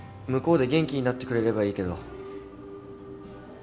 向こうで元気になってくれればいいけど。